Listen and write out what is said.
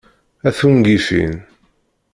A tungifin!